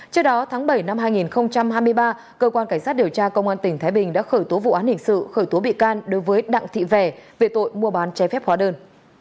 trước đó tháng bảy năm hai nghìn hai mươi ba cơ quan cảnh sát điều tra công an tỉnh thái bình đã khởi tố vụ án hình sự khởi tố bị can đối với đặng thị vẻ về tội mua bán trái phép hóa đơn